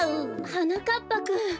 はなかっぱくん。